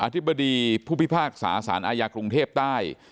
ธิบดีผู้พิพากษาสารอาญากรุงเทพใต้